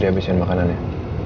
jadi habisin makanannya